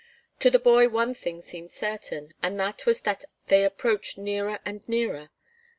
To the boy one thing seemed certain, and that was that they approached nearer and nearer.